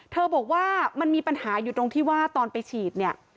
บอกว่ามันมีปัญหาอยู่ตรงที่ว่าตอนไปฉีดเนี่ย